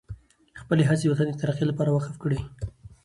خپلې هڅې د وطن د ترقۍ لپاره وقف کړئ.